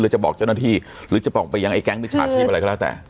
จะบอกเจ้าหน้าที่หรือจะบอกไปยังไอแก๊งมิจฉาชีพอะไรก็แล้วแต่